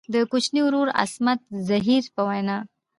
د کوچني ورور عصمت زهیر په وینا.